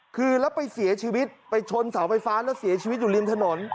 คือแล้วไปเสียชีวิตไปชนเสาไฟฟ้าแล้วเสียชีวิตอยู่ริมถนน